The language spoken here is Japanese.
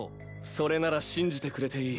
それなら信じてくれていい。